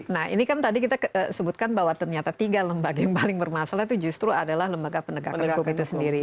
nah ini kan tadi kita sebutkan bahwa ternyata tiga lembaga yang paling bermasalah itu justru adalah lembaga penegakan hukum itu sendiri